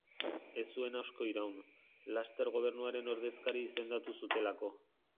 Ez zuen asko iraun, laster gobernuaren ordezkari izendatu zutelako.